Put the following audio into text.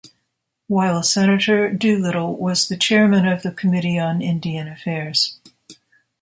While senator, Doolittle was the Chairman of the Committee on Indian Affairs.